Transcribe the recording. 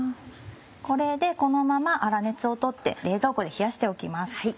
これでこのまま粗熱を取って冷蔵庫で冷やしておきます。